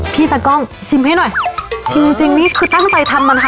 ตากล้องชิมให้หน่อยชิมจริงจริงนี่คือตั้งใจทำมันนะคะ